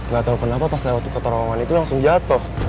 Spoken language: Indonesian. gak tau kenapa pas lewat terowongan itu langsung jatoh